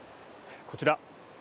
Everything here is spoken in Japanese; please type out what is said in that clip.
こちら。